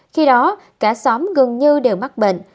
khi đó cả xóm gần như đều mắc bệnh